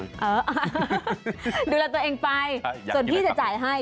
ดูแลตัวเองไปส่วนพี่จะจ่ายให้